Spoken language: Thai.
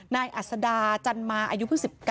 นายอัศดาจันมาอายุ๑๙